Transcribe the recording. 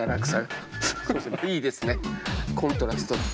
いいですねコントラストが。